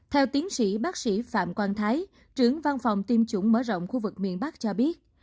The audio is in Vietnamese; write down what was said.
theo tiến sĩ bác sĩ phạm quang thái trưởng văn phòng tiêm chủng mở rộng khu vực miền bắc cho biết